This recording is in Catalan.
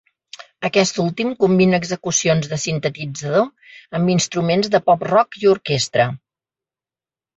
Aquest últim combina execucions de sintetitzador amb instruments de pop-rock i orquestra.